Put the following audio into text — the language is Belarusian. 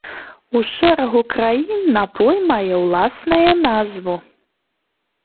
У шэрагу краін напой мае ўласнае назву.